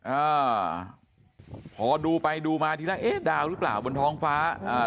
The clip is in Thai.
อ่าพอดูไปดูมาทีแรกเอ๊ะดาวหรือเปล่าบนท้องฟ้าอ่า